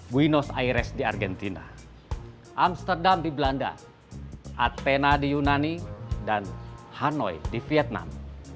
winos aires di argentina amsterdam di belanda athena di yunani dan hanoi di vietnam